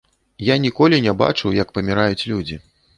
Я ніколі не бачыў, як паміраюць людзі.